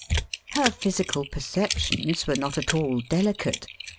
Her physical perceptions were not at all delicate.